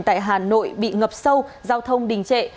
tại hà nội bị ngập sâu giao thông đình trệ